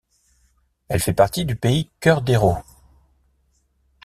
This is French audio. Elle fait partie du Pays Cœur d'Hérault.